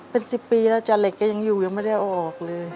เป็น๑๐ปีแล้วจ้ะเหล็กแกยังอยู่ยังไม่ได้เอาออกเลย